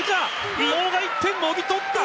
伊藤が、１点、もぎ取った！